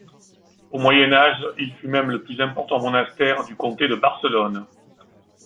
Au Moyen Âge, il fut même le plus important monastère du comté de Barcelone.